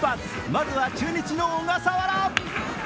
まずは中日の小笠原。